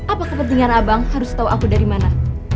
apa kepentingan abang harus tahu aku dari mana